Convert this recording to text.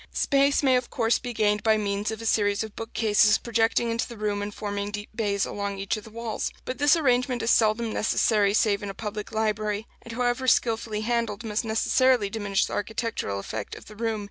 Space may of course be gained by means of a series of bookcases projecting into the room and forming deep bays along each of the walls; but this arrangement is seldom necessary save in a public library, and however skilfully handled must necessarily diminish the architectural effect of the room.